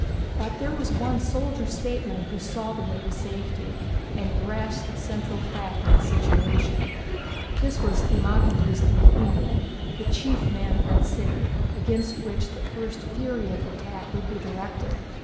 But there was one soldier statesman who saw the way to safety, and grasped the central fact of the situation. This was Themistocles the Athenian, the chief man of that city, against which the first fury of the attack would be directed.